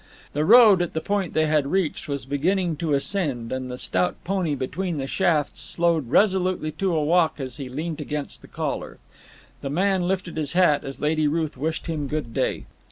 The road, at the point they had reached, was beginning to ascend; and the stout pony between the shafts slowed resolutely to a walk as he leant against the collar. The man lifted his hat as Lady Ruth wished him good day.